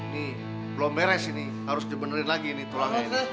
ini belum beres ini harus dibenerin lagi ini tulangnya ini